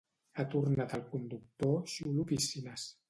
Ha tornat el conductor xulo piscines